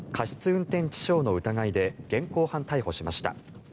運転致傷の疑いで現行犯逮捕しました。